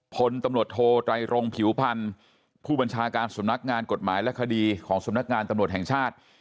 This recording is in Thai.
พลตำรวจโทไตรรงผิวพันธ์ผู้บัญชาการสำนักงานกฎหมายและคดีของสำนักงานตำรวจแห่งชาติ